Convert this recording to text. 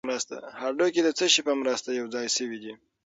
هډوکي د څه شي په مرسته یو ځای شوي دي